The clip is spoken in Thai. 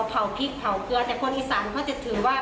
เผาพริกเผาเกลือแต่คนอีสานเขาจะถือว่า